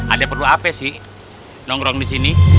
ada perlu apa sih nongkrong di sini